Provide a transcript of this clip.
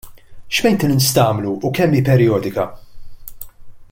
X'maintenance tagħmlu, u kemm hi perjodika?